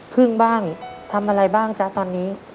ครึ่งบ้างทำอะไรบ้างจ๊ะตอนนี้